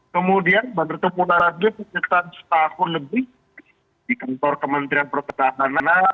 kemudian bertemu lagi sekitar setahun lebih di kementerian perpengatanan